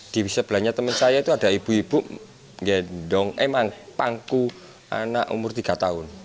di sebelahnya teman saya itu ada ibu ibu gendong emang pangku anak umur tiga tahun